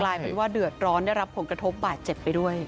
กลายเป็นว่าเดือดร้อนได้รับผลกระทบบาดเจ็บไปด้วย